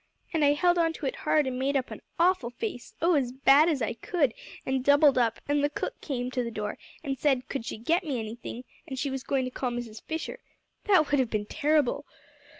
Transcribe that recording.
And I held on to it hard, and made up an awful face, oh, as bad as I could, and doubled up; and the cook came to the door, and said could she get me anything, and she was going to call Mrs. Fisher. That would have been terrible."